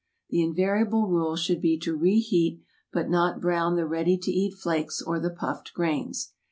The invariable rule should be to reheat but not brown the ready to eat flakes or the puffed grains.